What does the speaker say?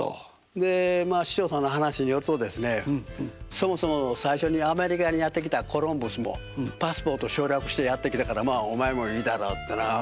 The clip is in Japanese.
で市長さんの話によるとですね「そもそも最初にアメリカにやって来たコロンブスもパスポート省略してやって来たからまあお前もいいだろう」ってなもう。